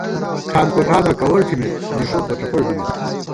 ٹھان کوٹھانہ کوَڑ تھِمېت نِݭوتبہ ڄپَڑ بِمېت